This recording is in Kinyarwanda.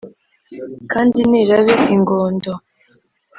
kandi nirabe ingondo